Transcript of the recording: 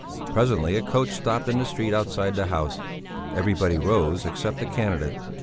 Presently a coach stopped in the street outside the house. Everybody rose except the candidate.